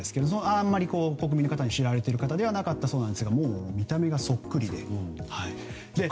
あまり国民の方に知られている方ではなかったそうですが見た目がそっくりで。